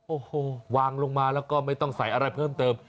โอ้โหวางลงมาแล้วก็ไม่ต้องใส่อะไรเพิ่มเติม